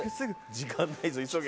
時間ないぞ急げ。